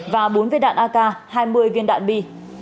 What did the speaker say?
và bốn viên đạn ak hai mươi viên đạn bi